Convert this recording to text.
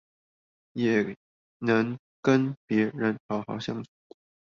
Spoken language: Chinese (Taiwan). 也能跟別人好好相處